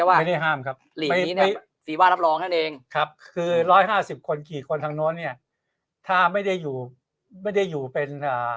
ห้ามครับคือ๑๕๐คนทางนู้นเนี่ยถ้าไม่ได้อยู่ไม่ได้อยู่เป็น